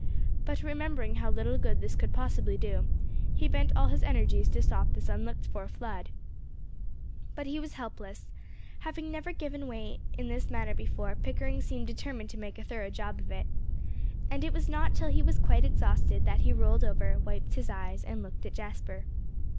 But remembering how little good this could possibly do, he bent all his energies to stop this unlooked for flood. But he was helpless. Having never given way in this manner before, Pickering seemed determined to make a thorough job of it. And it was not till he was quite exhausted that he rolled over, wiped his eyes, and looked at Jasper.